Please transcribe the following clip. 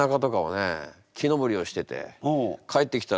木登りをしてて。